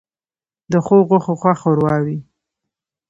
ـ د ښو غوښو ښه ښوروا وي.